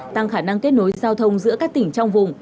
tăng khả năng kết nối giao thông giữa các tỉnh trong vùng